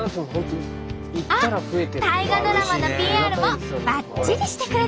あっ大河ドラマのＰＲもばっちりしてくれてる。